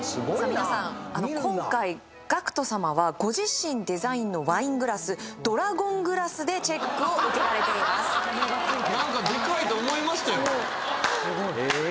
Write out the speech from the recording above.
皆さん今回ＧＡＣＫＴ様はご自身デザインのワイングラスドラゴングラスでチェックを受けられていますなんかええー？